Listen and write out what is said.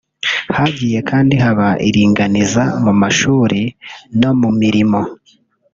Hagiye kandi haba iringaniza mu mashuri no mu mirimo